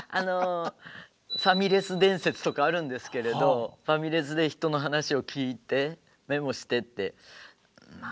ファミレス伝説とかあるんですけれどファミレスで人の話を聞いてメモしてってま